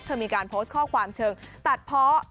มีการโพสต์ข้อความเชิงตัดเพาะ